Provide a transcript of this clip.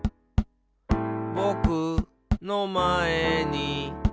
「ぼくのまえに」